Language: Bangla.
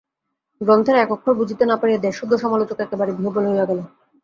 গ্রন্থের এক অক্ষর বুঝিতে না পারিয়া দেশসুদ্ধ সমালোচক একেবারে বিহ্বল হইয়া উঠিল।